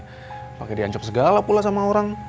saya pakaikan segala segala pula dengan orang